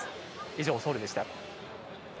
以上、ソウルでした。